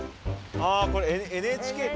ああこれＮＨＫか。